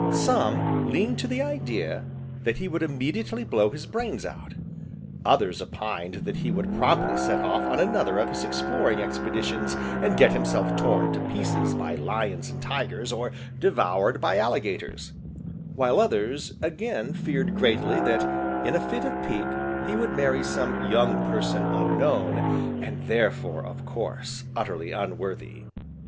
Some leaned to the idea that he would immediately blow his brains out; others opined that he would promptly set off on another of his exploring expeditions, and get himself torn to pieces by lions and tigers, or devoured by alligators; while others again feared greatly that, in a fit of pique, he would marry some "young person" unknown, and therefore, of course, utterly unworthy.